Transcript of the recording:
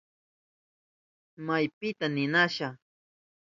¿Maypita ninasha?